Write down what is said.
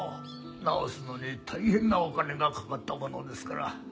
直すのに大変なお金がかかったものですから。